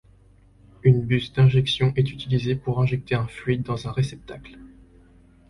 Une buse d'injection est utilisée pour injecter un fluide dans un réceptacle.